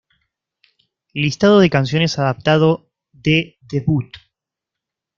Listado de canciones adaptado de "The Boot".